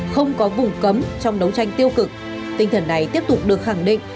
không có vùng cấm trong đấu tranh tiêu cực tinh thần này tiếp tục được khẳng định